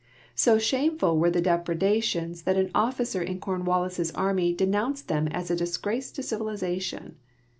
So shameless were their depredations that an officer in Corn wallis' army denounced them as a disgrace to civilization.